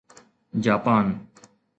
Japan